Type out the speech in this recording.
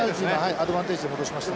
アドバンテージで戻しました。